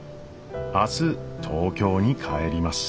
明日東京に帰ります。